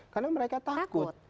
karena mereka takut